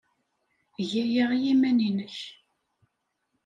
Eg aya i yiman-nnek.